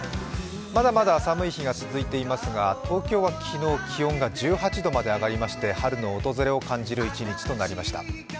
まだまだ寒い日が続いていますが東京は昨日、気温が１８度まで上がりまして春の訪れを感じる一日となりました。